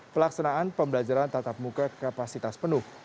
pelaksanaan pembelajaran tatap muka kapasitas penuh